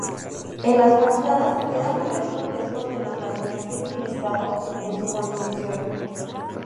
En los fachadas quedan numerosos restos del andamiaje utilizado en su construcción.